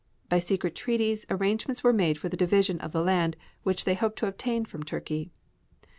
By secret treaties arrangements were made for the division of the land, which they hoped to obtain from Turkey.